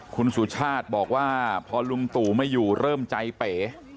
คุณสุชาติบอกว่าพอลุงตู่ไม่อยู่เริ่มใจเป๋